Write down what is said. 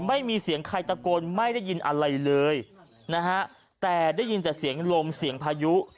ไม่มีเสียงใครตะโกนไม่ได้ยินอะไรเลยนะฮะแต่ได้ยินแต่เสียงลมเสียงพายุ